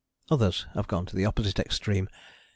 Others have gone to the opposite extreme.